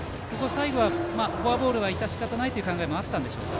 最後はフォアボールは致し方ないという考えもあったんでしょうか。